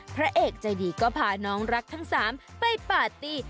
พระเอกใจดีก็พาน้องรักทั้งสามไปปาร์ตี้